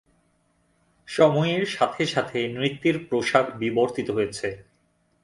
সময়ের সাথে সাথে নৃত্যের পোশাক বিবর্তিত হয়েছে।